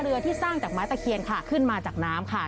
ที่สร้างจากไม้ตะเคียนค่ะขึ้นมาจากน้ำค่ะ